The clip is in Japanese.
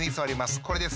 これですね。